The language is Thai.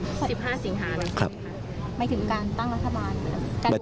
หมายถึงการตั้งรัฐบาล